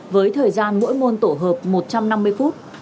với thời gian mỗi môn tổ hợp một trăm năm mươi phút